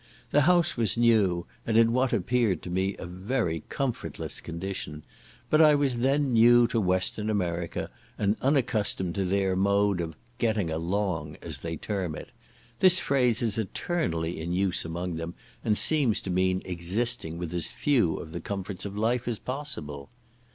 The house was new, and in what appeared to me a very comfortless condition, but I was then new to Western America, and unaccustomed to their mode of "getting along," as they term it. This phrase is eternally in use among them, and seems to mean existing with as few of the comforts of life as possible.